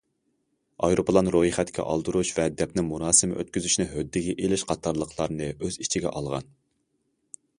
ئايروپىلان رويخەتكە ئالدۇرۇش ۋە دەپنە مۇراسىمى ئۆتكۈزۈشنى ھۆددىگە ئېلىش قاتارلىقلارنى ئۆز ئىچىگە ئالغان.